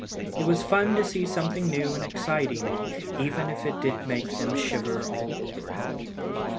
It was fun to see something new and exciting, even if it did make them shiver all over.